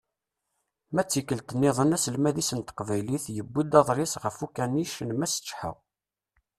Ma d tikkelt-nniḍen, aselmad-is n teqbaylit, yewwi-d aḍris ɣef ukanic n Mass Ǧeḥḥa.